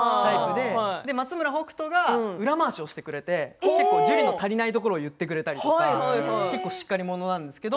松村北斗が裏回しをしてくれて樹の足りないところ言ってくれたり、しっかり者なんです。